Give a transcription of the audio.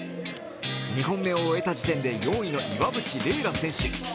２本目を終えた時点で４位の岩渕麗楽選手。